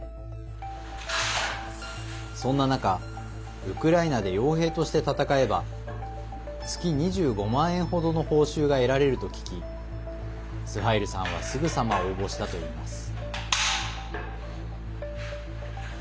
そんな中、ウクライナでよう兵として戦えば月２５万円ほどの報酬が得られると聞きスハイルさんはすぐさま応募したといいます。